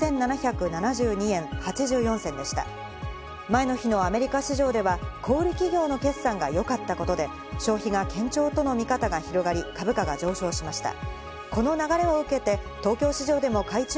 前の日のアメリカ市場では小売企業の決算がよかったことで、消費が堅調との見方が広がり、株価が上昇しました。